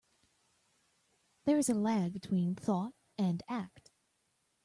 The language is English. There is a lag between thought and act.